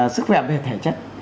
sức khỏe về thể chất